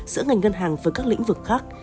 giữa ngành ngân hàng với các lĩnh vực khác